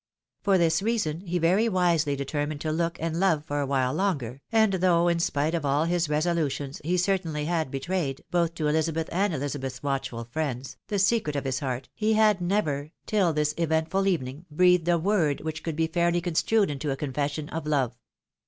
For this reason he very wisely determined to look and love for a while longer, and though in spite of all his resolutions he certainly had betrayed, both to Ehzabeth and Elizabeth's watchful friends, the secret of his heart, he had never, till this eventful evening, breathed a word which could be fairly construed into a confession of love.